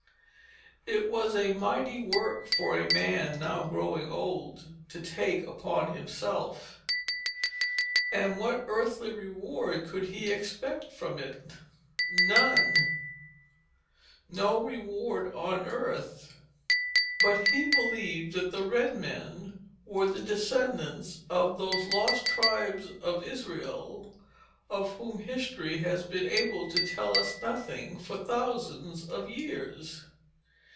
It was a mighty work for a man, now growing old, to take upon himself. And what earthly reward could he expect from it? None; no reward on earth. But he believed that the red men were the descendants of those lost tribes of Israel of whom history has been able to tell us nothing, for thousands of years.